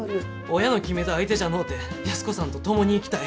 親の決めた相手じゃのうて安子さんと共に生きたい。